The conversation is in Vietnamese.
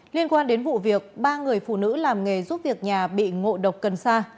liên quan đến vụ việc ba người phụ nữ làm nghề giúp việc nhà bị ngộ độc cần sa